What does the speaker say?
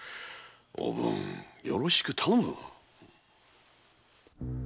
おぶんよろしく頼む！